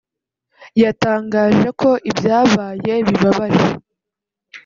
yatangaje ko ibyabaye bibabaje